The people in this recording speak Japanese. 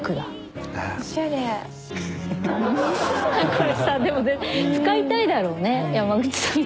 これさでも使いたいだろうね山口さん